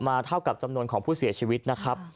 เท่ากับจำนวนของผู้เสียชีวิตนะครับ